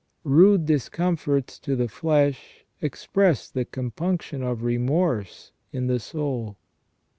Rude discomforts to the flesh express the compunction of remorse in the soul.